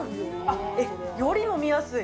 えっ、より飲みやすい！